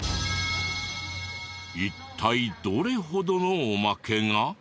一体どれほどのおまけが？